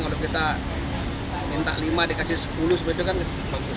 kalau kita minta lima dikasih sepuluh seperti itu kan bagus